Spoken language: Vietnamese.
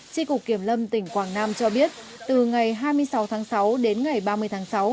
tri cục kiểm lâm tỉnh quảng nam cho biết từ ngày hai mươi sáu tháng sáu đến ngày ba mươi tháng sáu